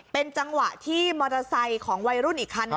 เป็นจังหวะที่มอเตอร์ไซค์ของวัยรุ่นอีกคัน